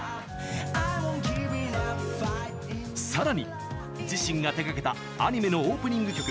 さらに自身が手がけたアニメのオープニング曲